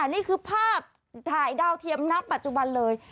นี่คือภาพถ่ายดาวเทียมณปัจจุบันเลย